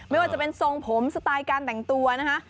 ไม่ว่าจะเป็นทรงผมสไตล์การแต่งตัวนะคะ